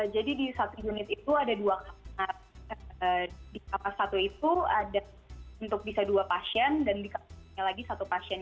jadi di satu unit itu ada dua kamar di kamar satu itu ada untuk bisa dua pasien dan di kamarnya lagi satu pasien